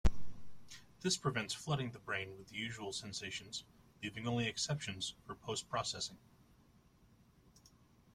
This prevents flooding the brain with the usual sensations, leaving only exceptions for post-processing.